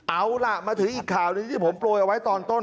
เอาล่ะมาถึงอีกข่าวหนึ่งที่ผมโปรยเอาไว้ตอนต้น